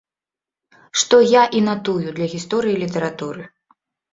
Што я і натую для гісторыі літаратуры.